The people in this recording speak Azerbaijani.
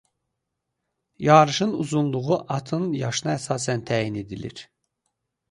Yarışın uzunluğu atın yaşına əsasən təyin edilir.